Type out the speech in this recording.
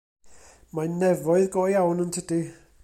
Mae'n nefoedd go iawn yntydi.